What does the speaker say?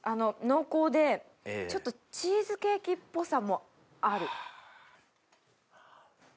濃厚でちょっとチーズケーキっぽさもある。